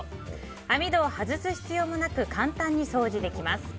網戸を外す必要もなく簡単に掃除できます。